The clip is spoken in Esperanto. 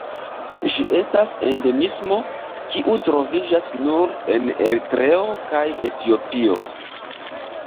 Ĝi estas endemismo kiu troviĝas nur en Eritreo kaj Etiopio.